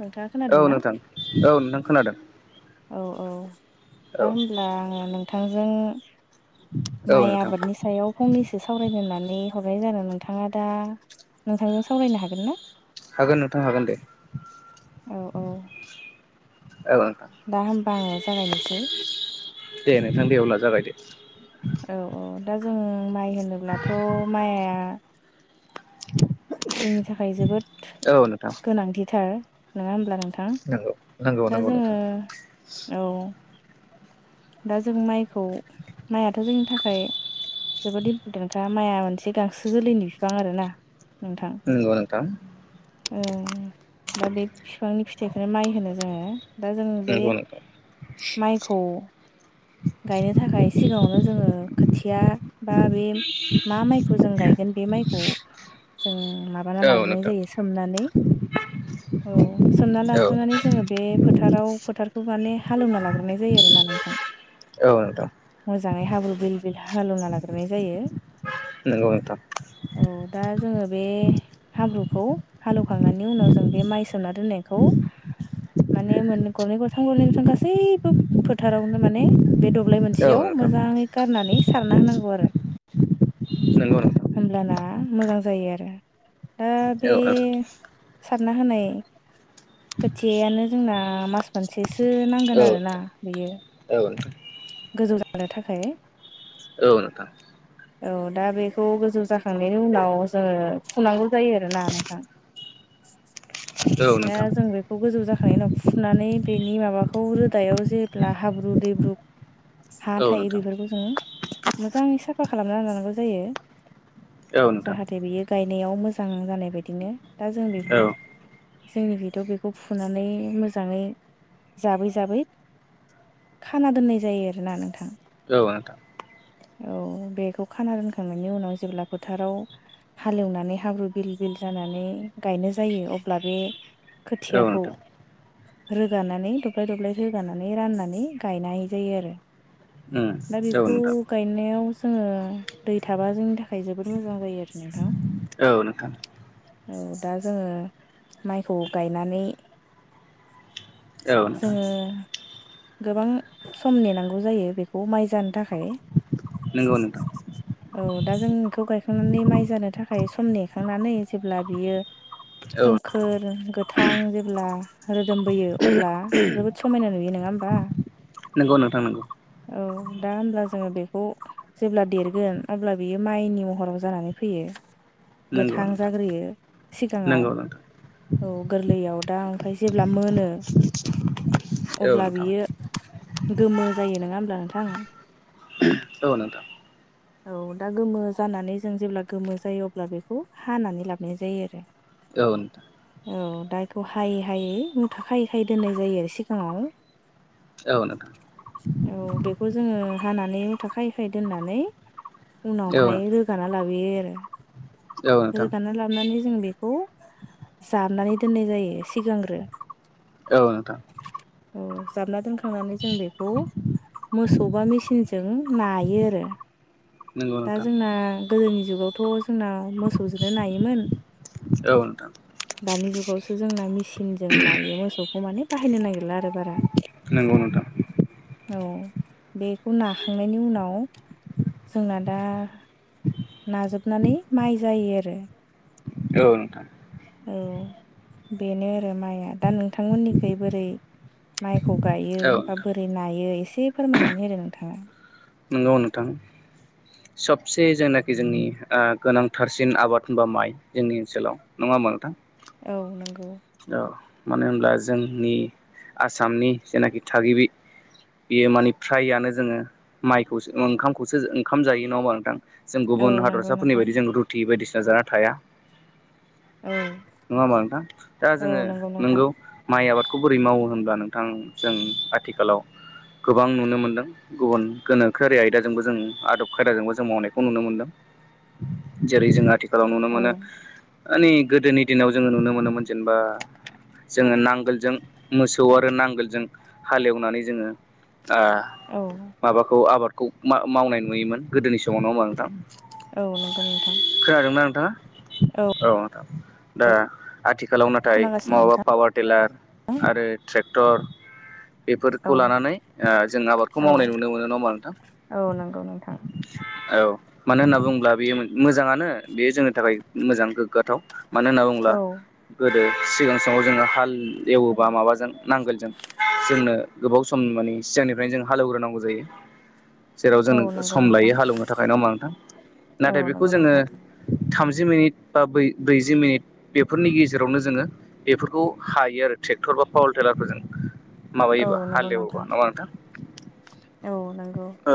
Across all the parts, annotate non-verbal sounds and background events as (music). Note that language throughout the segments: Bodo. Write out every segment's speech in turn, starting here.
नोंथाङा औ खोनादों ना? नोंथां औ नोंथां खोना औ औ औ दा होमब्ला नोंथांजों औ माइ नोंथां आबादनि सायाव फंनैसो सावरायनो होननानै हरनाय जादों नोंथाङा दा नोंथांजों सावरायनो हागोन ना? हागोन नोंथां हागोन दे। औ औ (inaudible) औ नोंथां दा होमबा आङो जागायनोसै। दे नोंथां दे अब्ला जागायदो। औ औ दा जों माइ होनोब्लाथ' माइआ जोंनि थाखाय जोबोद औ नोंथां गोनांथिथार नङा होमब्ला नों थां नंगौ नंगौ दा नंगौ नोंथां जोङो औ। (inaudible) दा जों माइखौ माइयाथ' जोंनि थाखाय जोबोद इम्परटेन्टखा माइआ मोनसे गांसो जोलैनि बिफां आरोना। नोंथां नंगौ नोंथां। ओ दा बे बिफांनि फिथाइखौनो माइ होनो जोङो दा जों बे नंगौ नोंथां माइखौ गायनो थाखाय एसे सिगाङावनो जोङो खोथिया बा बे मा माइखौ जों गायगोन बे माइखौ जों माबाना औ लाग्रोनाय नोंथां जायो सोमनानै। (inaudible) औ सोमना औ लाग्रोनानै जोङो बे फोथाराव फोथारखौ माने हालेवना लाग्रोनाय जायो आरोना नोंथां। औ नोंथां मोजाङै हाब्रु बिल बिल हालेवना लाग्रोनाय जायो। नंगौ नोंथां। औ दा जोङो बे हाब्रुखौ हालेवखांनायनि उनाव जों बे माइ सोम ना दोननायखौ माने मोन गरनै गरथाम गरनै गरथाम गासैबो फोथारावनो माने बे दब्लाय औ मोनसेयाव नोंथां मोजाङै गारनानै सारना होनांगौ आरो। नंगौ नोंथां होमब्लाना मोजां जायो आरो। दा बे औ सारना होनाय खोथियानो जोंना मास मोनसेसो औ नांगोन आरो ना बेयो नोंथां गोजौ जानो थाखाय। औ नोंथां। औ दा बेखौ गोजौ जाखांनायनि उनाव जोङो फुनांगौ जायो आरोना नोंथां। (inaudible) औ दा नोंथां जों बेखौ गोजौ जाखां नायनि उनाव फुनानै बेनि माबाखौ रोदायाव जेब्ला हाब्रु दैब्रु हा औ थायो नोंथां बेफोरखौ जोङो मोजाङै साफा खालामना लानांगौ जायो। औ नोंथां जाहाथे बियो गायनायाव मोजां जानाय बायदिनो दा जों औ बेखौ जोंनिखैथ' बेखौ फुनानै मोजाङै जाबै जाबै खाना दोननाय जायो आरोना नोंथां औ नोंथां औ बेखौ खाना दोनखांनायनि उनाव जेब्ला फोथाराव हालेवनानै हाब्रु बिल बिल जा नानै गायनो जायो अब्ला बे औ खोथियाखौ नोंथां रोगानानै दब्लाय दब्लाय रोगानानै राननानै गायनाय जायो आरो उम दा औ बेखौ नोंथां गायनायाव जोङो दै थाबा जोंनि थाखाय जोबोद मोजां जायो आरो नोंथां। औ नोंथां औ दा जोङो माइखौ गायनानै औ नोंथां जोङो गोबां सम नेनांगौ। गौ जायो बेखौ माइ जानो थाखाय नोंगौ नोंथां। औ दा जोंखौ गायखांनानै माइ जानो थाखाय सम नेखांनानै जेब्ला बियो औ सोमखोर गोथां जेब्ला रोदोमबोयो अब्ला जोबोद समायना नुयो नङा होमबा नोंगौ नोंथां नंगौ। औ दा होमब्ला जोङो बेखौ जेब्ला देरगोन अब्ला बियो माइनि महराव जानानै फैयो। नंगौ गोथां नोंथां जाग्रोयो सिगाङाव नंगौ नोंथां औ गोरलैयाव दा ओमफ्राय जेब्ला मोनो औ अब्ला नोंथां बियो गोमो जायो नङा होमब्ला नोंथां। औ नोंथां। औ दा गोमो जानानै जों जेब्ला गोमो जायो अब्ला बेखौ हानानै लाबोनाय जायो आरो। औ नोंथां। औ दा बेखौ हायै हायै मुथायै खायै दोननाय जायो सिगाङाव औ नोंथां। खौ जोङो हानानै थाखैखायै दोननानै औ उनावहाय नोंथां रोगाना लागोन। औ आरो नोंथां रोगाना लाबानै जों बेखौ जाबनानै दोननाय जायो सिगांग्रो औ नोथां। औ जामना दोनखांनानै जों बेखौ मोसौ बा मेचिनजों नायो आरो। नंगौ दा नोंथां जोंना गोदोनि जुगावथ' जोंना मोसौजोंनो नायोमोन। औ नोंथां। दानि जुगावसो जोंना मेसिनजों नायो मोसौखौ माने बाहायनो नागिरला आरो बारा नोंगौ नोंथां। औ बेखौ नाखांनायनि उनाव जोंना दा नाजोबनानै माइ जायो आरो औ नोंथां। औ बेनो आरो माइया दा नोंथांमोननिखै बोरै माइखौ गायो औ बा नोंथां बोरै नायो एसे फोरमायनानै होदो नोंथाङा नोंगौ नोंथां। सबसे जायनाखि जोंनि गोनांथारसिन आबाद होनबा माइ जोंनि ओनसोलाव नङा होमबा नोंथां औ नंगौ। औ मानो होनब्ला जोंनि आसामनि जेनाखि थागिबि बेयो माने फ्राययानो जोङो माइखौसो ओंखामखौसो ओंख जायो नङ हबा नोंथां जों औ गुबुन नंगौ हादरसाफोरनि नोंथां बायदि जों रुथि बायदि जाना थाया। औ नङा होनबा नोंथां दा जोङो औ नंगौ नोंथां नोंगौ माइ आबाद खौ बोरै मावो होनब्ला नोंथां जों आथिखालाव गोबां नुनो मोनदों गुबुन गोनोखोआरि आयदाजोंबो जों आदब खायदाजोंबो जों मावनायखौ नुनो मोनदों जेरै जोंथि फोराव नुनो औ मोनो मानानि गोदोनि दिनाव जोङो नुनो मोनोमोन जेनेबा जोङो नांगोलजों मोसौ आरो नांगोलजों हालेवनानै जोङो ओ औ माबाखौ आबादखौ मावनाय नुयोमोन गोदोनि समावनो होमा नोंथां औ नंगौ नोंथां था औ औनोंथां दा आथिखालाव नाथाय खोनागासिनो महाबा नोंथां पावार टिलार आरो ट्रेक्टर औ बेफोरखौ लानानै जों आबादखौ औ मावनाय नुनो मोनो नङा होमबा नोंथां औ नंगौ नोंथां औ मानो होनना बुङोब्ला बेयो मोजाङानो बेयो जोंनि थाखाय मोजां गोग्गाथाव मानो होनना बुङोब्ला औ गोदो सिगां समाव जोङो हाल हाल एवोबा माबाजों नांगोलजों जोंनो गोबाव सम माने सिगांनिफ्रायनो जों हालेवग्रोनांगौ जायो जेराव जों औ नंगौ सम नोंथां लायो हालेवनो थाखाय नङ होमबा नोंथां औ नाथाय बेखौ नंगौ जोङो नोंथां थामजि मिनिट बा ब्रैजि मिनिट बेफोरनि गेजेरावनो जोङो बेफोरखौ हायो आरो ट्रेक्टर बा पावार टेलारफोर जों औ माबायोबा नंगौ हालेवोबा नङा नोंथां औ नंगौ औ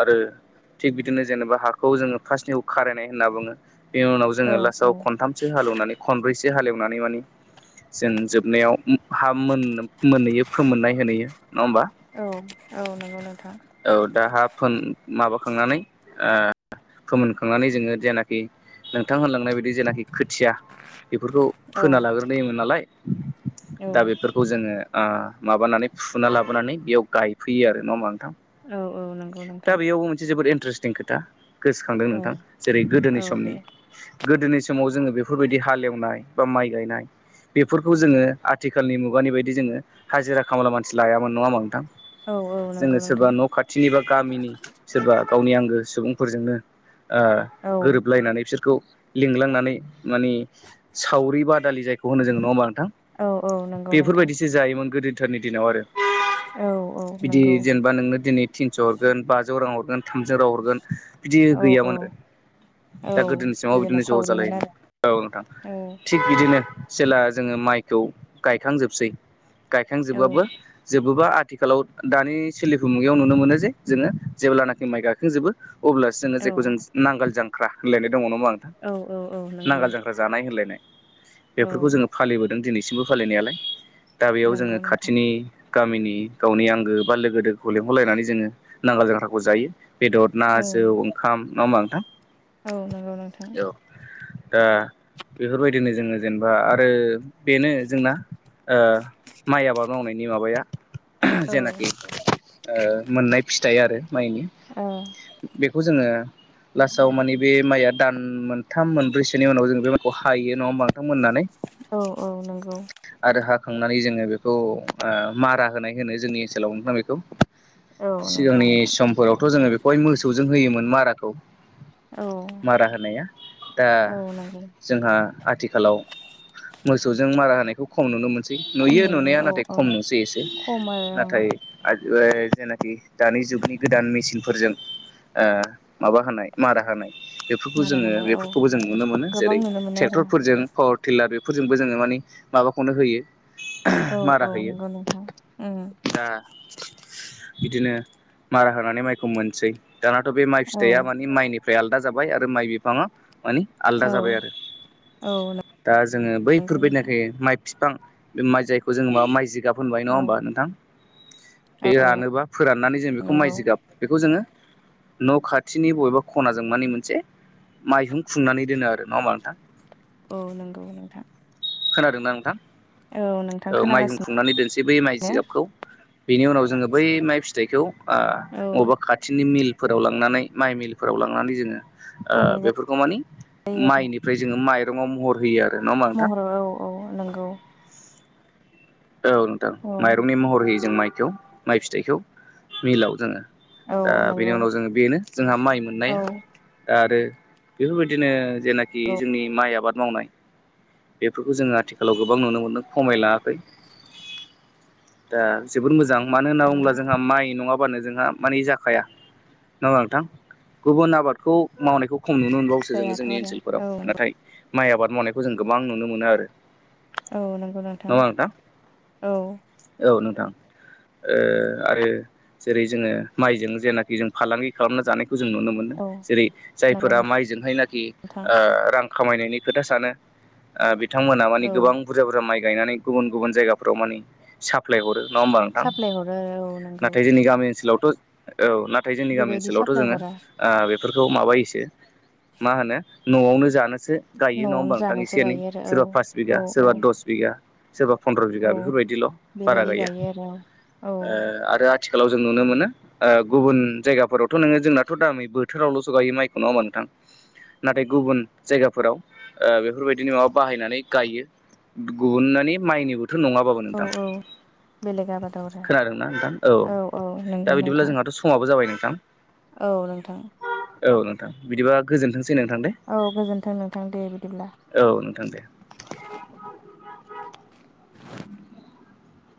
आरो थिग बिदिनो जेनेबा हाखौ जोङो फार्स्टनि खारायनाय होनना बुङो बेनि उनाव औ जोङो औ लास्टाव खनथामसो हालेवनानै खनब्रैसो हालेवनानै मानि जों जोबनायाव हा मोन मोनहैयो फोमोननाय होनहैयो नङा होमबा औ औ नंगौ नोंथां औ दाहा फोन माबाखांनानै फोमोनखांनानै जोङो जेनाखि नोंथां होनलांनाय बायदि जेनाखि खोथिया बेफोरखौ औ फोना लाग्रोयोमोन नालाय औ दा बेफोरखौ जोङो माबानानै फुना लाबोनानै बेयाव गायफैयो आरो नङा होनबा औ औ नंगौ दा नोंथां बेयावबो मोनसे जोबोद इन्टारेस्टिं खोथा गोसोखांदों औ नोंथां जेरै गोदोनि औ दे समनि गोदोनि समाव जोङो बेफोरबायदि हालेवनाय बा माइ गायनाय बेफोरखौ जोङो आथिखालनि मुगानि बायदि जोङो हाजिरा खामला मानसि लायामोन नङा होनबा नोंथां औ औ नंगौ जोङो सोरबा नोंथां न' खाथिनि बा गामिनि सोरबा गावनि आंगो सुबुंफोरजोंनो ओ औ गोरोबलायनानै बिसोरखौ लिंलांनानै मानि सावरि बादालि जायखौ होनो जोंङो नङा होमबा नोंथां औ औ नंगौ नोंथां बेफोरबायदिसो जायोमोन गोदोथारनि दिनाव आरो औ औ नंगौ बा नोंनो दिनै थिनस' हरगोन बाजौ रां हरगोन थामजौ रां हरगोन बिदि औ औ गैयामोन आरो औ दा गोदोनि समाव गोदोना बिदिनो ज' सावरिमोन जालायोमोन आरो औ नोंथां औ थिग बिदिनो जेला जोङो माइखौ गायखांजोबसै औ गायखांजोबबाबो ज बबेबा आथिखालाव दानि सोलिफु मुगायाव नुनो मोनो जे जोङो जेब्लानाखि माइ गाखोजोबो अब्लासो जोङो औ जेखौ जों नांगोल जांख्रा होनोलायनो दङ ना नोंथां औ औ औ नंगौ नांगाल जांग्रा जानाय होनलायनाय औ बेफोरखौ जोङो फालिबोदों दिनै दासिमबो फालिनायालाय दा बेयाव जोङो नंगौ नोंथां खाथिनि गामिनि गावनि आंगो बा लोगो गोदोखौ लेंहरलायनानै जोङो नांगोल जांख्राखौ जायो बेदर ना औ जौ ओंखाम नङा होनबा नोंथां औ नंगौ नोंथां औ दा बेफोरबायदिनो जोङो जेनेबा आरो बेनो जोंना ओ माइ आबाद मावनायनि माबाया औ जेनाखि मोननाय फिथाइ आरो माइनि औ बेखौ जोङो लास्टाव माने बे माइया दान मोनथाम मोनब्रैसोनि उनाव जों बे माइखौ हायो नङा होमबा मोननानै औ नंगौ आरो हा खांनानै जोङो बेखौ मारा होनाय होनो जोंनि ओनसोलाव नोंथां बेखौ औ नंगौ सिगांनि नोंथां समफोरावथ' जोङो बेखौहाय मोसौजों होयोमोन माराखौ औ मारा होनाया दा औ नंगौ जोंहा आथिखालाव मोसौजों मारा होनायखौ खम नुनो मोनसै खम नुयो नुनाया नाथाय औ औ खम नुसै एसे खम आरो नाथाय ओं जेनाखि दानि जुगनि गोदान मेसिन फोरजों ओ माबा होनाय मारा होनाय बेफोरखौ मारा जोङो होनाय औ बेफोरखौबो जों नुनो मोनो गोबां जेरै नुनो मोनो आरो ट्रेक्टरफोरजों पावार टिलार बेफोरजोंबो जोङो मानि माबाखौनो होयो मारा औ होयो नंगौ नोंथां उम दा बिदिनो मारा होनानै माइखौ मोनसै दानाथ बे माइ औ फिथाइया माने माइनि फ्राय आलादा जाबाय आरो माइ बिफाङा मानि आलदा औ जाबाय आरो औ दा जोङो नंगौ नोंथां बैफोरबायदिनाकि माइ बिफां बे माइ जायखौ जोङो माबा माइ जिगाब होनबाय नङा औ होमबा नोंथां बे औ औ रानोबा फोराननानै जों बेखौ नंगौ माइजिगाब जोङो न खाथिनि बबेबा खनाजों माने मोनसे माइहुं खुंनानै दोनो आरो नङा हमबा नोंथां औ नंगौ नोंथां खोनादोंना नोंथां औ नोंथां माइहुं खोनागासिनो खुंनानै दोनसै बै माइ जिगाबखौ बेनि उनाव जोङो बै माइ फिथाइखौ ओ औ बबेबा खाथिनि मिल फोराव लांनानै माइ मिलफोराव लांनानै जोङो संनाय बेफोरखौ मानि जायो आरो माइनिफ्राय जोङो माइरङाव महर होयो आरो। नङा होमबा नोंथां महराव औ औ नंगौ औ नोंथां औ माइरंनि महर होयो जों माइखौ माइ फिथाइखौ मिलाव जोङो। औ दा बेनि नंगौ उनाव जोङो बेनो जोंहा माइ औ मोननाया दा आरो बेफोरबायदिनो जेनाखि जोंनि माइ आबाद मावनाय बेफोरखौ जोङो आथिखालाव गोबां नुनो मोनदों खमायलाङाखै दा जोबोर मोजां मानो होनना बुङोब्ला जोंहा माइ नङाब्ला जोंहा मानि जाखाया नङा हमबा नोंथां गुबुन आबादखौ मावनायखौ खम नुनो मोनबावोसो जोङो जायाथ' जोंनि आरो ओनसोलफोराव औ नाथाय माइ आबाद मावनायखौ जों गोबां नुनो मोनो आरो औ नंगौ नोंथा नङा नोंथां औ औ नोंथां ओ आरो जेरै जोङो माइजों जेनाखि जों फालांगि खालामना जानाय जों नुनो मोनो औ जेरै नंगौ जायफोरा माइजोंहायनाखि नोंथां ओ रां खामायनायनि खोथा सानो ओ बिथांमोना मानि औ गोबां बुरजा बुरजा माइ गायनानै गुबुन गुबुन जायगाफ्राव मानि साप्लाय हरो नङा होमबा नोंथां साप्लाय हरो औ नंगौ नाथाय जोंनि गामि ओनसोलाव औ नाथाय जोंनि गामि बेबायदि ओनसोलावथ साप्लाय जोङो हरा बेफोरखौ माबायोसो मा होनो नआवनो जानोसो गायो नङा न'आवनो होमबा नोंथां एसे जानोसो एनै गायो आरो सोरबा पास औ बिगा सोरबा औ दस बिगा सोरबा फन्द्र बिगा औ बेफोरबायदिल बारा बेबायदि गाया गायो आरो औ ओ आरो आथिखालाव जों नुनो मोनो ओ गुबुन जायगाफोरावथ नोङो जोंनाथ दा नै बोथोरावलसो गायो माइखौ नङा होमबा नोंथां नाथाय गुबुन जायगाफोराव ओ बेफोरबायदिनो माबा बाहायनानै गायो (unintelligible) थ नङाबाबो औ नोंथां औ बेलेग आबादाव आरो खोनादोंना नोंथां औ दा बिदिब्ला जोंहाथ समाबो जाबाय नों औ नोंथां औ बिदिबा गोजोनथों औ गोजोनथों नोंथां दे बिदिब्ला औ नोंथां दे (inaudible)